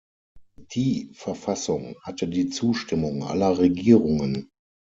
Die Verfassung hatte die Zustimmung aller Regierungen.